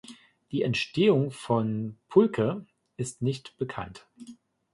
Die Entstehung von Pulque ist nicht bekannt.